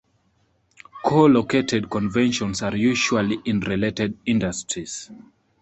Co-located conventions are usually in related industries.